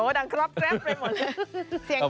นึกว่าใครเอาปลาตรงพลาตกมา